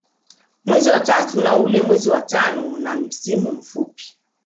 Mwezi wa tatu na ule mwezi wa Tano na msimu mfupi